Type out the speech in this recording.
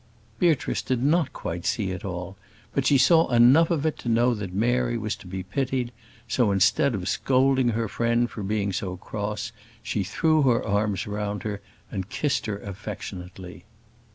Beatrice did not quite see it all; but she saw enough of it to know that Mary was to be pitied; so, instead of scolding her friend for being cross, she threw her arms round her and kissed her affectionately.